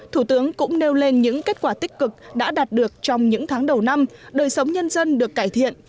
thủ tướng cũng nêu lên những kết quả tích cực đã đạt được trong những tháng đầu năm đời sống nhân dân được cải thiện